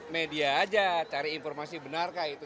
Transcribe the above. media aja cari informasi benar kah itu